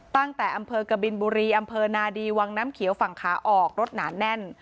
ตั้งแต่อำเภอกบินบุรีอำเภอนาดีวังน้ำเขียวฝั่งขาออกรถหนาแน่น